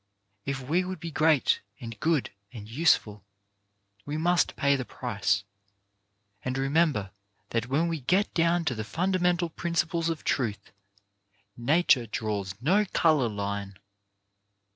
If we would be great, and good, and useful, we must pay the price. And remember that when we get down to the fundamental principles of truth, nature draws no colour line.